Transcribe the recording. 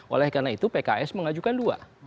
oleh karena itu pks mengajukan dua